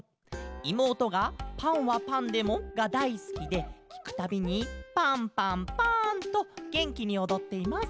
「いもうとが『パンはパンでも！？』がだいすきできくたびに『パンパンパン』とげんきにおどっています。